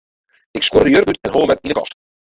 Ik skuorde de jurk út en hong him wer yn 'e kast.